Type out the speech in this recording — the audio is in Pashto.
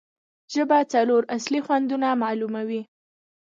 ژبه څلور اصلي خوندونه معلوموي.